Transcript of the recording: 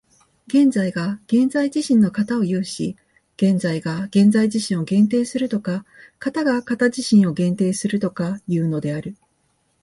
現在が現在自身の形を有し、現在が現在自身を限定するとか、形が形自身を限定するとかいうのである。